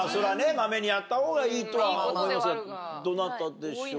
まめにやった方がいいとは思いますけどどなたでしょう？